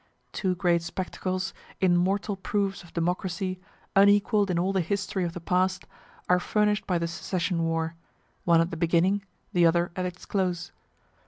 (Two great spectacles, immortal proofs of democracy, unequall'd in all the history of the past, are furnish'd by the secession war one at the beginning, the other at its close.